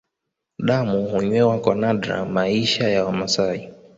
Damu hunywewa kwa nadra Maisha ya Wamasai